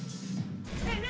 何？